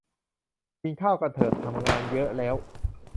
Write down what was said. กินข้าวกันเถอะ ทำงาน ? เยอะ ? แล้ว ?